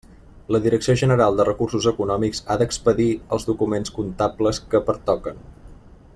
La Direcció General de Recursos Econòmics ha d'expedir els documents comptables que pertoquen.